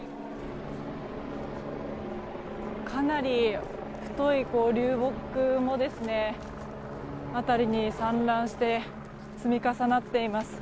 かなり太い流木も辺りに散乱して積み重なっています。